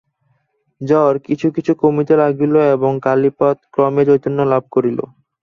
জ্বর কিছু কিছু কমিতে লাগিল এবং কালীপদ ক্রমে চৈতন্য লাভ করিল।